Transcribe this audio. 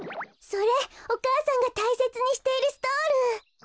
それお母さんがたいせつにしているストール！